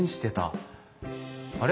あれ？